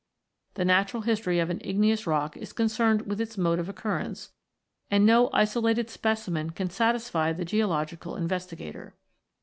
The natural history of an igneous rock is concerned with its mode of occurrence, and no isolated specimen can satisfy the geological in vestigator.